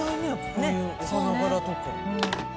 こういうお花柄とか。